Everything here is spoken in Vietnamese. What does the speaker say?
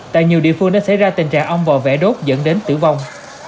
tại nhiều địa phương đã xảy ra tình trạng ong bảo vệ đốt dẫn đến tử vong